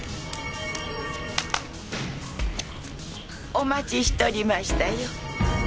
お待ちしとりましたよ。